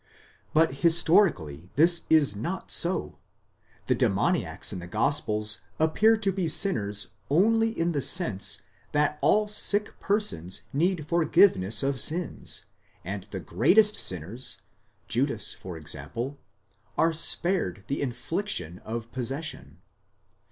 But his torically this is not so: the demoniacs in the gospels appear to be sinners only in the sense that all sick persons need forgiveness of sins ; and the greatest sinners (Judas for example) are spared the infliction of possession.